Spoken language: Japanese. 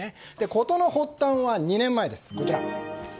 事の発端は２年前です。